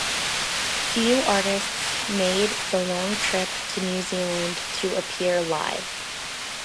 Few artists made the long trip to New Zealand to appear live.